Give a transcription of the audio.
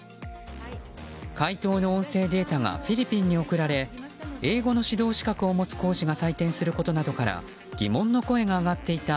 解答の音声データがフィリピンに送られ英語の指導資格を持つ講師が採点することなどから疑問の声が上がっていた